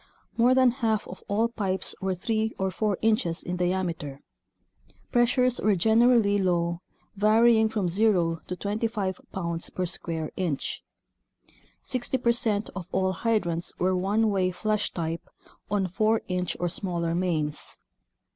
More than half of all pipes were three or four inches in diameter. Pressures were generally low, varying from zero to 25 pounds per square inch. Sixty percent of all hydrants were one way flush type on 4 inch or smaller mains.